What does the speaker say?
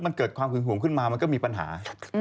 มันเกิดความหึงห่วงขึ้นมามันก็มีปัญหา